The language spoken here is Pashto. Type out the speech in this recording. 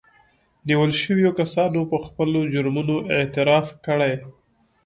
نيول شويو کسانو په خپلو جرمونو اعتراف کړی